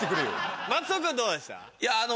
松尾君どうでした？